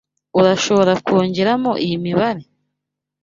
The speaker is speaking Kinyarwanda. Urashobora kongeramo iyi mibare?